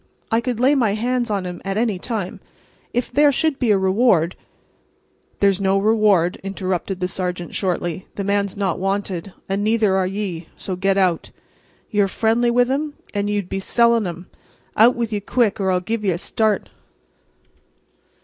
I could lay my hands on him at any time. If there should be a reward—" "There's no reward," interrupted the sergeant, shortly. "The man's not wanted. And neither are ye. So, get out. Ye are frindly with um, and ye would be selling um. Out with ye quick, or I'll give ye a start."